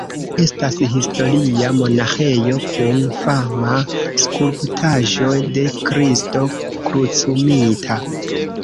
Estas historia monaĥejo kun fama skulptaĵo de Kristo Krucumita.